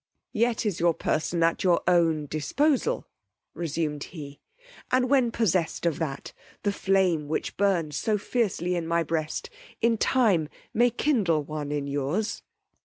Yet is your person at your own disposal, resumed he; and when possessed of that, the flame which burns so fiercely in my breast, in time may kindle one in yours.